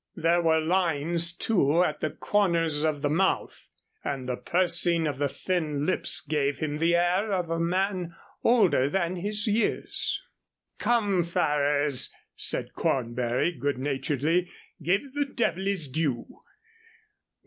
There were lines, too, at the corners of the mouth, and the pursing of the thin lips gave him the air of a man older than his years. "Come, Ferrers," said Cornbury, good naturedly, "give the devil his due."